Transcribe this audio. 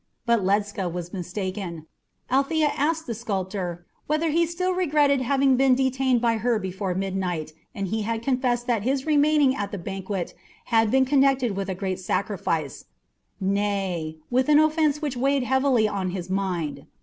But Ledscha was mistaken. Althea had asked the sculptor whether he still regretted having been detained by her before midnight, and he had confessed that his remaining at the banquet had been connected with a great sacrifice nay, with an offence which weighed heavily on his mind.